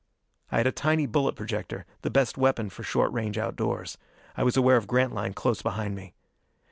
I had a tiny bullet projector, the best weapon for short range outdoors. I was aware of Grantline close behind me.